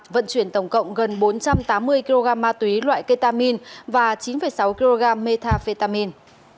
vận chuyển tổng cộng gần bốn trăm tám mươi kg ma túy loại ketamin và chín sáu kg metafetamin